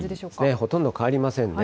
ほとんど変わりませんね。